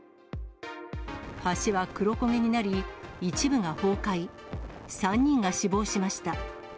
橋は黒焦げになり、一部が崩壊、３人が死亡しました。